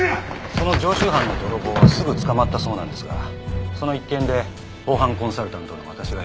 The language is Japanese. その常習犯の泥棒はすぐ捕まったそうなんですがその一件で防犯コンサルタントの私が呼ばれたんです。